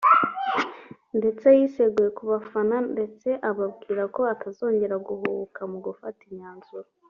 ndetse yiseguye ku bafana ndetse ababwira ko atazongera guhubuka mu gufata imyanzuro